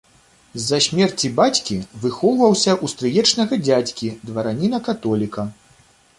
З-за смерці бацькі выхоўваўся ў стрыечнага дзядзькі, двараніна-католіка.